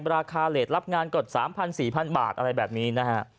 ราคาเลสรับงานกด๓๐๐๔๐๐บาทอะไรแบบนี้นะฮะ